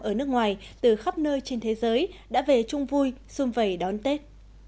ở nước ngoài từ khắp nơi trên thế giới đã về chung vui xung vầy đón tết